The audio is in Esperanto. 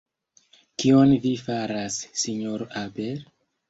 Kion Vi faras, Sinjoro Abel?